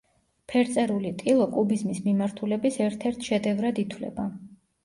ფერწერული ტილო კუბიზმის მიმართულების ერთ-ერთ შედევრად ითვლება.